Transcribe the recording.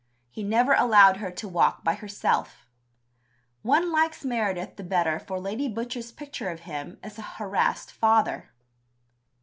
He never allowed her to walk by herself." One likes Meredith the better for Lady Butcher's picture of him as a "harassed father."